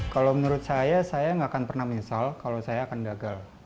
kalau menurut saya saya nggak akan pernah menyesal kalau saya akan gagal